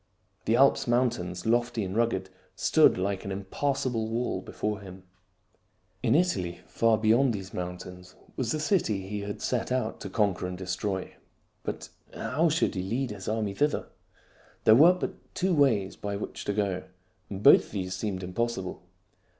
The Alps mountains, lofty and rugged, stood like an impassable wall before him. In Italy, far beyond these mountains, was the city Hannibal crossing the Alps 2IO THIRTY MORE FAMOUS STORIES he had set out to conquer and destroy. But how should he lead his army thither ? There were but two ways by which to go, and both these seemed impossible.